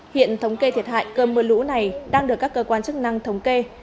hiện thống kê thiệt hại cơm mưa lũ này đang được các cơ quan chức năng thống kê